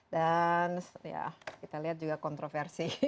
dan kita lihat juga kontroversi